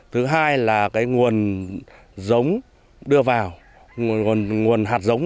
thứ hai là cái nguồn giống